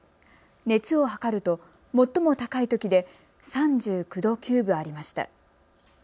熱を測ると最も高いときで３９度９分ありました。